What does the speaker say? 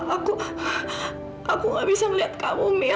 aku aku nggak bisa melihat kamu mia